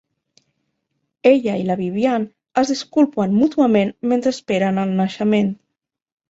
Ella i la Viviane es disculpen mútuament mentre esperen el naixement.